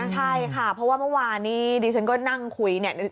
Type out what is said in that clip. ใช่ค่ะเพราะว่าเมื่อวานนี้ดิฉันก็นั่งคุยเนี่ย